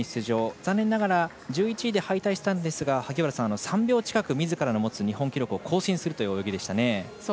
残念ながら１１位で敗退したんですが３秒近く、みずからの日本記録更新する泳ぎでしたね。